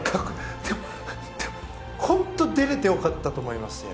本当出れてよかったと思います、今。